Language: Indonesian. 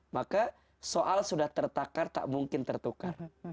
maka soal sudah tertakar tak mungkin tertukar